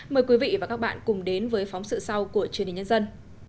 mời quý vị và các bạn cùng đến với phóng sự sau của truyền hình nhân dân